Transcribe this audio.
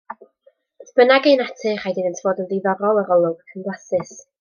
Beth bynnag eu natur rhaid iddynt fod yn ddiddorol yr olwg ac yn flasus.